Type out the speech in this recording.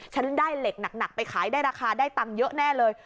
ฉันได้เหล็กหนักไปขายได้ราคาได้ตังค์เยอะแน่เลย